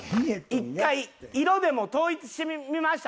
一回色でも統一してみました。